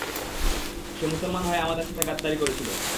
সে মুসলমান হয়ে আমাদের সাথে গাদ্দারী করেছিল।